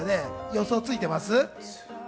予想ついてます？